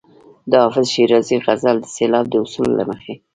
د حافظ شیرازي غزل د سېلاب د اصولو له مخې.